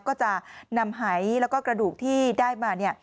ก็จะนำหายแล้วก็กระดูกที่ได้มาเนี่ย